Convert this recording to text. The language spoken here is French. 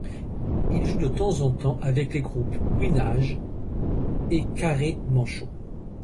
Il joue de temps en temps avec les groupes Winaj'h et Carré Manchot.